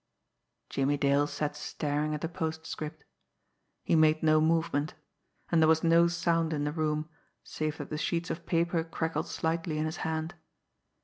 Jimmie Dale sat staring at the postscript. He made no movement; and there was no sound in the room, save that the sheets of paper crackled slightly in his hand.